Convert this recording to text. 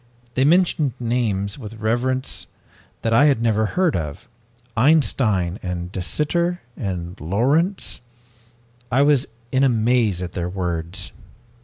They mentioned names with reverence that I had never heard Einstein and De Sitter and Lorentz. I was in a maze at their words.